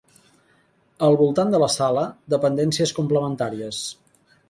Al voltant de la sala, dependències complementàries.